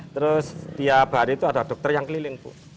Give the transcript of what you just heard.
terus tiap hari itu ada dokter yang keliling bu